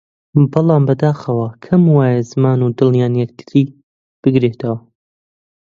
بەڵام بەداخەوە کەم وایە زمان و دڵیان یەکتر بگرێتەوە!